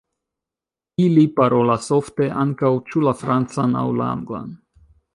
Ili parolas ofte ankaŭ ĉu la francan aŭ la anglan.